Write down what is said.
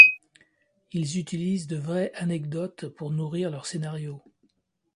Ils utilisent de vraies anecdotes pour nourrir leur scénario.